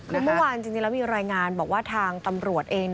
แล้วเมื่อวานจริงแล้วมีรายงานบอกว่าทางตำรวจเอง